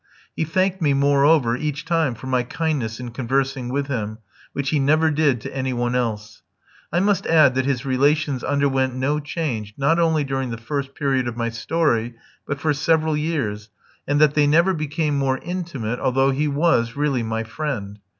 He thanked me, moreover, each time for my kindness in conversing with him, which he never did to any one else. I must add that his relations underwent no change not only during the first period of my story, but for several years, and that they never became more intimate, although he was really my friend.